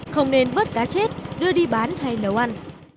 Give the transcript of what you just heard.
không nên bớt cá chết đưa đi bán hay nấu ăn